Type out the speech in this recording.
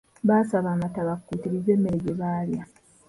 Baasaba amata bakuutirize emmere gye baalya.